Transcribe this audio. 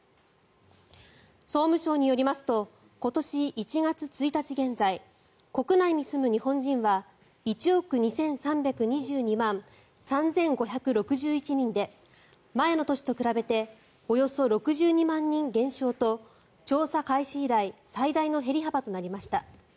総務省によりますと今年１月１日現在国内に住む日本人は１億２３２２万３５６１人で前の年と比べておよそ６２万人減少と調査開始以来最大の減り幅となりました。